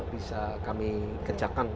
bisa kami kerjakan